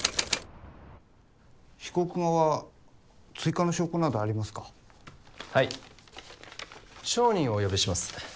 被告側追加の証拠などありますかはい証人をお呼びします